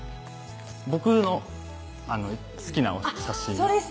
僕の好きな写真それ